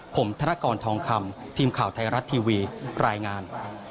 ผมธนกรทองคำทีมข่าวไทยรัฐทีวีรายงาน